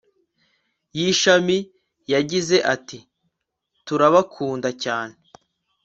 y ishami yagize ati turabakunda cyane